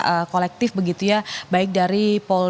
sifatnya kolektif begitu ya baik dari polda sulut